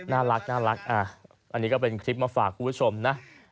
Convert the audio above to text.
น่ารักอันนี้ก็เป็นคลิปมาฝากคุณผู้ชมนะ